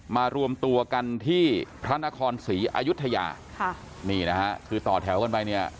มารวมตัวกันที่พระนครศรีอายุทยาค่ะนี่นะฮะคือต่อแถวกันไปเนี่ย